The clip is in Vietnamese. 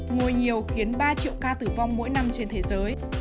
ngồi nhiều khiến ba triệu ca tử vong mỗi năm trên thế giới